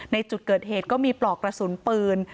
ในจุดเกิดเหตุก็มีปลอกกระสุนปืน